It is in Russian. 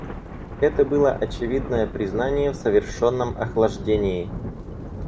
Это было очевидное признание в совершенном охлаждении.